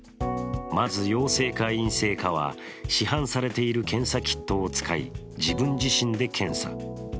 まず陽性か陰性は市販されている検査キットを使い自分自身で検査。